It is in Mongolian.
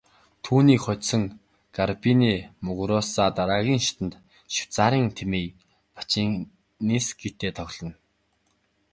Түүнийг хожсон Гарбинэ Мугуруса дараагийн шатанд Швейцарын Тимея Бачинскитэй тоглоно.